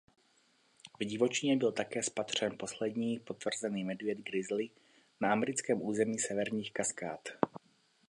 V divočině byl také spatřen poslední potvrzený medvěd grizzly na americkém území Severních Kaskád.